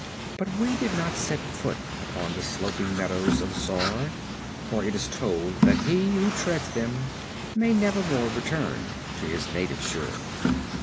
But we did not set foot upon the sloping meadows of Zar, for it is told that he who treads them may nevermore return to his native shore.